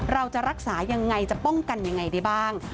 เราจะรักษายังไงจะป้องกันยังไงได้บ้าง